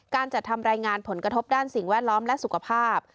การจัดทำรายงานผลกระทบด้านสิ่งแวดล้อมและสุขภาพ